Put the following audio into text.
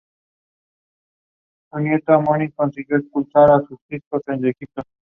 Judas es el traidor de Jesús.